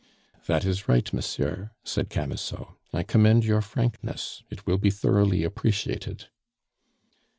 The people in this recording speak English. "That is right, monsieur," said Camusot; "I commend your frankness; it will be thoroughly appreciated."